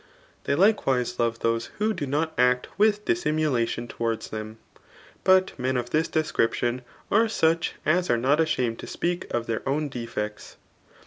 They likewise love those who do not act with dissimulation • toward them ; but men of this descrqpdon are such as aieoot a^amed to speak of their own defects.